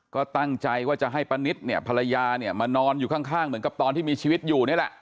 ก็ตั้งใจว่าจะให้ป้านิตเนี่ยภรรยาเนี่ยมานอนอยู่ข้างเหมือนกับตอนที่มีชีวิตอยู่นี่แหละ